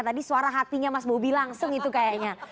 tadi suara hatinya mas bobi langsung itu kayaknya